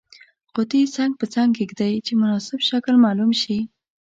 قطي څنګ په څنګ کیږدئ چې مناسب شکل معلوم شي.